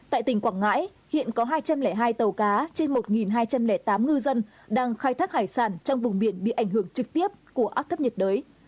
tại tỉnh quảng ngãi hiện có hai trăm linh hai tàu cá trên một hai trăm linh tám ngư dân đang khai thác hải sản trong vùng biển bị ảnh hưởng trực tiếp của áp thấp nhiệt đới